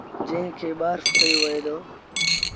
جݩهݩ کي ٻآرس ڪهيو وهي دو